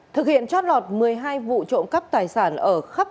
thực hiện trót lọt một mươi hai vụ trộm cắp tài sản ở khắp